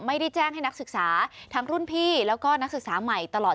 ไม่ได้แจ้งให้นักศึกษาทั้งรุ่นพี่แล้วก็นักศึกษาใหม่ตลอด